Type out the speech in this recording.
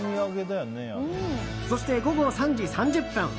そして、午後３時３０分。